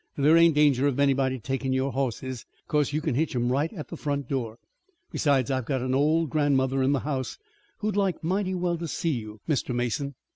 There ain't danger of anybody taking your hosses, 'cause you can hitch 'em right at the front door. Besides, I've got an old grandmother in the house, who'd like mighty well to see you, Mr. Mason."